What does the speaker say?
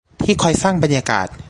ที่คอยสร้างบรรยากาศ